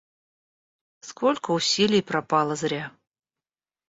Сколько усилий пропало зря.